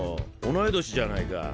同い年じゃないか。